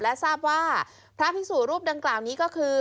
และทราบว่าพระพิสุรูปดังกล่าวนี้ก็คือ